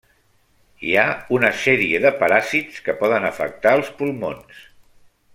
Hi ha una sèrie de paràsits que poden afectar els pulmons.